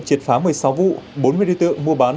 triệt phá một mươi sáu vụ bốn mươi đối tượng mua bán